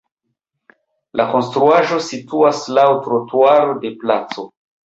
La konstruaĵo situas laŭ trotuaro de placo.